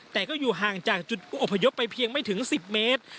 แต่ก็อยู่ห่างจากจุดผู้อพยพไปเพียงไม่ถึง๑๐เมตร